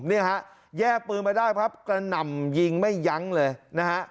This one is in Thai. เนี่ยฮะแยกปืนมาได้ครับกระหน่ำยิงไม่ยั้งเลยนะฮะ